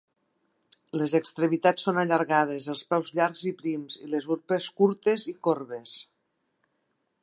Les extremitats són allargades, els peus llargs i prims i les urpes curtes i corbes.